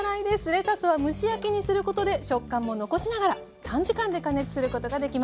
レタスは蒸し焼きにすることで食感も残しながら短時間で加熱することができます。